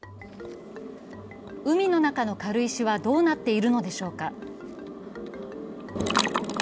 海の中の軽石はどうなっているのでしょうか。